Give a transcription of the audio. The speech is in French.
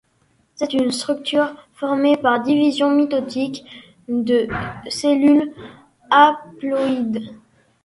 C'est une structure formée par divisions mitotiques de cellules haploïdes.